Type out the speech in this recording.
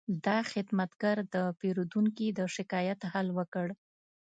دا خدمتګر د پیرودونکي د شکایت حل وکړ.